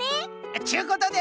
っちゅうことで。